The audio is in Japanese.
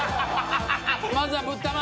まずはぶったま。